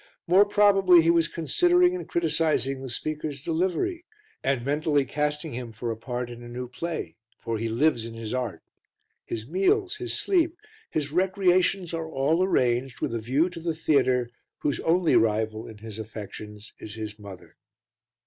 More probably he was considering and criticizing the speaker's delivery and mentally casting him for a part in a new play, for he lives in his art; his meals, his sleep, his recreations are all arranged with a view to the theatre whose only rival in his affections is his mother.